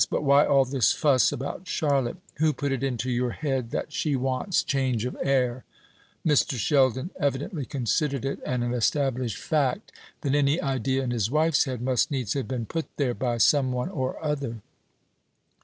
But why all this fuss about Charlotte? Who put it into your head that she wants change of air?" Mr. Sheldon evidently considered it an established fact that any idea in his wife's head must needs have been put there by someone or other.